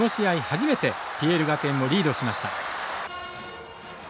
初めてＰＬ学園をリードしました。